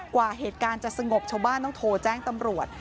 กว่าเหตุการณ์จะสงบชาวบ้านต้องโทรแจ้งตำรวจ